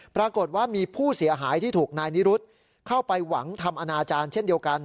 ปรากฏว่ามีผู้เสียหายที่ถูกนายนิรุธเข้าไปหวังทำอนาจารย์เช่นเดียวกัน